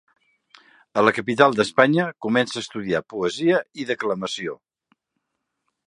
A la capital d'Espanya comença a estudiar poesia i declamació.